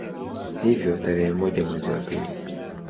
Hivyo tarehe moja mwezi wa pili